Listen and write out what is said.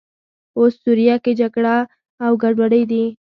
اوس سوریه کې جګړې او ګډوډۍ دي.